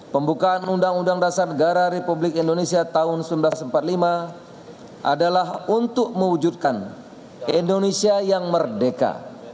pembukaan undang undang dasar negara republik indonesia tahun seribu sembilan ratus empat puluh lima adalah untuk mewujudkan indonesia yang merdeka